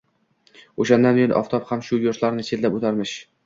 O‘shandan buyon oftob ham shu yurtlarni chetlab o‘tarmish.